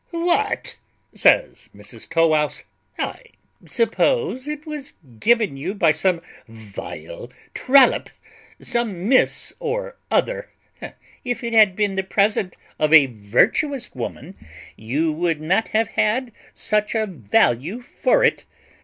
"What," says Mrs Tow wouse, "I suppose it was given you by some vile trollop, some miss or other; if it had been the present of a virtuous woman, you would not have had such a value for it.